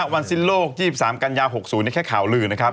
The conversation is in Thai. วันสิ้นโลก๒๓กันยา๖๐นี่แค่ข่าวลือนะครับ